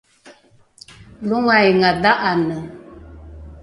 longainga dha’ane